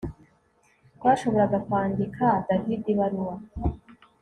Twashoboraga kwandika David ibaruwa